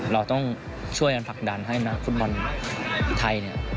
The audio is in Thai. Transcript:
เราต้องช่วยกันผลักดันให้นักฟุตบอลไทยเนี่ย